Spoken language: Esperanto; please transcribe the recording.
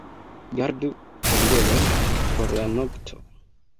Gardu kandelon por la nokto.